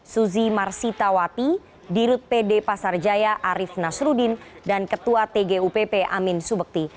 suzi marsi tawati dirut pd pasar jaya arief nasrudin dan ketua tgupp amin subekti